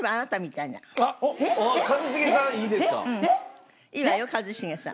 いいわよ一茂さん。